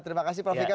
terima kasih prof vika